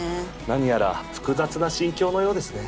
何やら複雑な心境のようですね